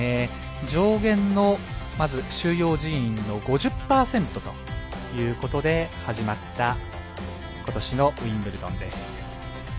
上限のまず収容人員の５０％ということで始まったことしのウィンブルドンです。